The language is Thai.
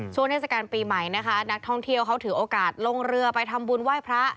เทศกาลปีใหม่นะคะนักท่องเที่ยวเขาถือโอกาสลงเรือไปทำบุญไหว้พระ